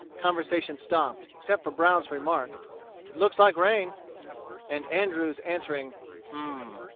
Conversation stopped, except for Brown's remark, "It looks like rain," and Andrews' answering, "Hm m m."